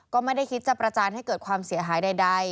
ก็ไม่ได้คิดจะประจานให้เกิดความเสียหายใด